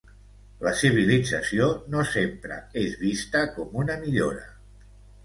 La civilització no sempre és vista com una millora.